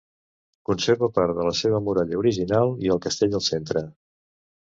Conserva part de la seva muralla original i el castell al centre.